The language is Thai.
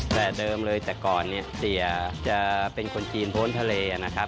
แต่เดิมเลยแต่ก่อนเนี่ยเสียจะเป็นคนจีนพ้นทะเลนะครับ